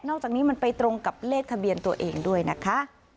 อกจากนี้มันไปตรงกับเลขทะเบียนตัวเองด้วยนะคะ